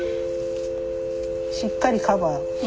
しっかりカバー。